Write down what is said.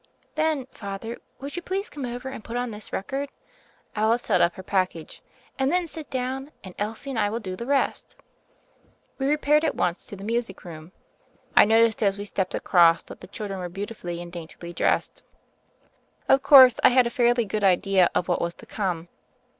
"Then, Father, would you please come over, and put on this record?" — Alice held up her package — "and then sit down, and Elsie and I will do the rest." We repaired at once to the music room. I noticed as we stepped across that the children were beautifully and daintily dressed. Of course, I had a fairly good idea of what was to come.